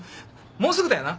もうすぐだよな。